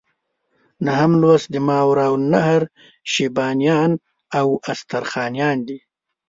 نهم لوست د ماوراء النهر شیبانیان او استرخانیان دي.